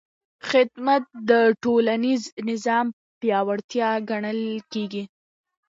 خدمت د ټولنیز نظم پیاوړتیا ګڼل کېږي.